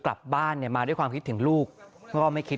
กลับมาบ้านเนี่ยคิดถึงลูกเนี่ยเนี่ย